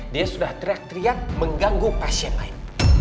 dia sudah teriak teriak mengganggu pasien lain